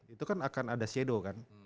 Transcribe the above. itu kan akan ada shadow kan